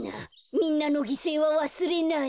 みんなのぎせいはわすれない。